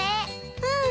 うん。